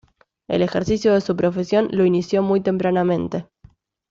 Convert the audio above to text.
El ejercicio de su profesión lo inició muy tempranamente.